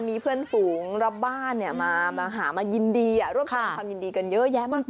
มีเพื่อนฝูงรับบ้านมาหามายินดีรวบรวมความยินดีกันเยอะแยะมาก